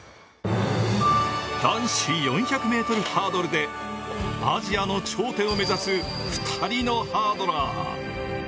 男子４００ｍハードルでアジアの頂点を目指す２人のハードラー。